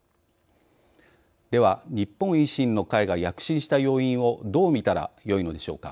では日本維新の会が躍進した要因をどう見たらよいのでしょうか。